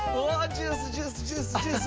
ジュースジュースジュースジュース。